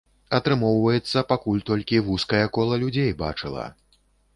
Атрымоўваецца, пакуль толькі вузкае кола людзей бачыла.